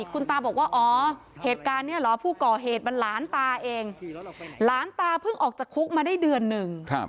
คุณตาบอกว่าอ๋อเหตุการณ์นี้เหรอผู้ก่อเหตุมันหลานตาเองหลานตาเพิ่งออกจากคุกมาได้เดือนหนึ่ง